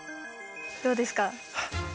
どうですか？